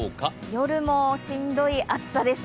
夜もしんどい暑さです。